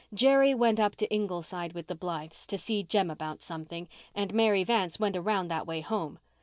Jerry went up to Ingleside with the Blythes to see Jem about something, and Mary Vance went around that way home.